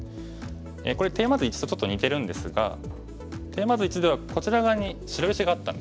これテーマ図１とちょっと似てるんですがテーマ図１ではこちら側に白石があったんですよね。